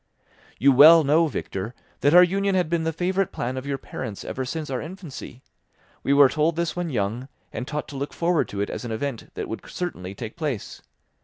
"You well know, Victor, that our union had been the favourite plan of your parents ever since our infancy. We were told this when young, and taught to look forward to it as an event that would certainly take place.